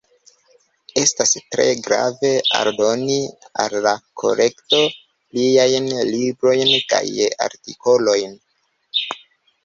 Estas tre grave aldoni al la kolekto pliajn librojn kaj artikolojn.